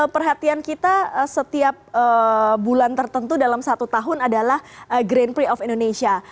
perhatian kita setiap bulan tertentu dalam satu tahun adalah grand prix of indonesia